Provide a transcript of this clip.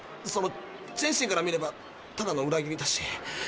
チェンシンから見ればただの裏切りだし。